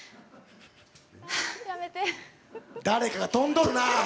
誰かがとんどるな。